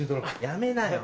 やめなよ。